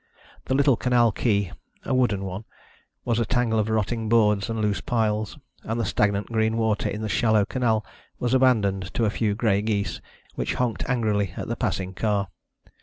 The little canal quay a wooden one was a tangle of rotting boards and loose piles, and the stagnant green water of the shallow canal was abandoned to a few grey geese, which honked angrily at the passing car.